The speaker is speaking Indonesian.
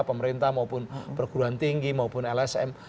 pemerintah maupun perguruan tinggi maupun lsm